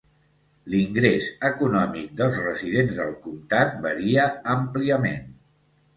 L'ingrés econòmic dels residents del comtat varia àmpliament.